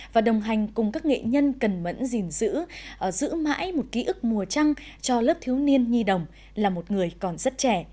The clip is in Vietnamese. và đồng hành cùng các nghệ nhân cẩn mẫn gìn giữ giữ mãi một ký ức mùa trăng cho lớp thiếu niên nhi đồng là một người còn rất trẻ